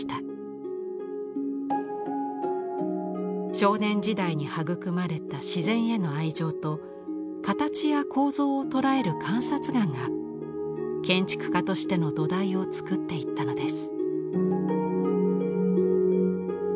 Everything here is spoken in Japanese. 少年時代に育まれた自然への愛情と形や構造を捉える観察眼が建築家としての土台を作っていったのです。